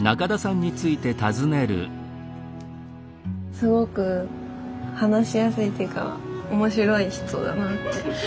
すごく話しやすいというか面白い人だなって。